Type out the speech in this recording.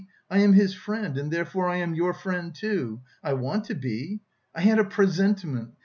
I am his friend, and therefore I am your friend, too, I want to be... I had a presentiment...